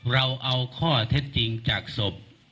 เราเอาข้อเท็จจริงจากศพ